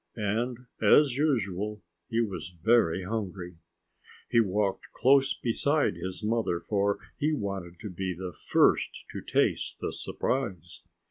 And, as usual, he was very hungry. He walked close beside his mother, for he wanted to be the first to taste the surprise.